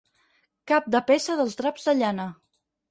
Cap de peça dels draps de llana.